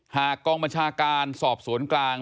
กองบัญชาการสอบสวนกลาง